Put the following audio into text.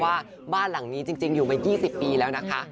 ว่าบ้านหลังนี้จริงอยู่มา๒๐ปีแล้วนะคะ